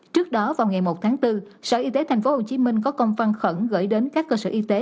trước đó vào ngày một tháng bốn sở y tế tp hcm có công văn khẩn gửi đến các cơ sở y tế